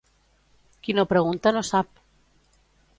Qui no pregunta no sap.